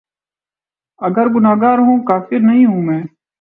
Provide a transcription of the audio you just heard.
آخر گناہگار ہوں‘ کافر نہیں ہوں میں